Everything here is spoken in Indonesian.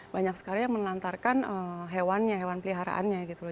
banyak sekali yang melantarkan hewan hewan peliharaannya gitu loh